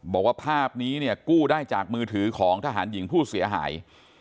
บอกว่าภาพนี้เนี่ยกู้ได้จากมือถือของทหารหญิงผู้เสียหาย